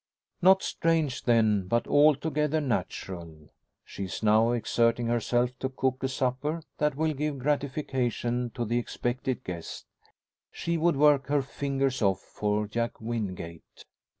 Not strange then, but altogether natural. She is now exerting herself to cook a supper that will give gratification to the expected guest. She would work her fingers off for Jack Wingate.